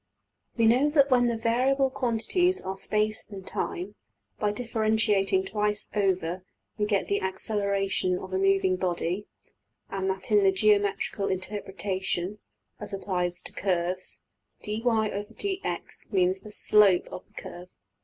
We know that when the variable quantities are space and time, by differentiating twice over we get the acceleration of a moving body, and that in the geometrical interpretation, as applied to curves, $\dfrac{dy}{dx}$~means the \emph{slope} of the curve.